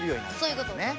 そういうこと。